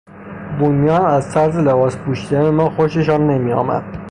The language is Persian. بومیان از طرز لباس پوشیدن ما خوششان نمیآمد.